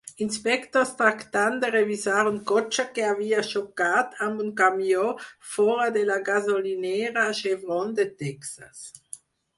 Inspectors tractant de revisar un cotxe que havia xocat amb un camió fora de la gasolinera Chevron de Texas